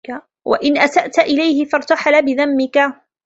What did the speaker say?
وَإِنْ أَسَأْت إلَيْهِ ارْتَحَلَ بِذَمِّك